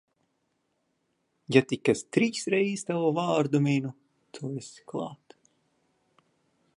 Ja tik es trīs reiz tavu vārdu minu, tu esi klāt.